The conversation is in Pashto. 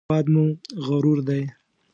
هېواد مو غرور دی